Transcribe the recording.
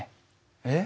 えっ？